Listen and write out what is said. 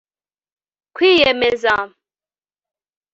kwiyemeza